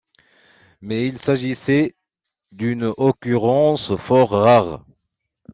Mais il s'agissait d'une occurrence fort rare.